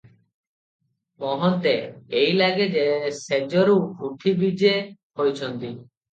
ମହନ୍ତେ ଏଇଲାଗେ ଶେଯରୁ ଉଠି ବିଜେ ହୋଇଛନ୍ତି ।